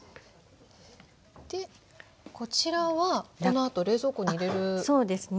こちらはこのあと冷蔵庫に入れるんですね。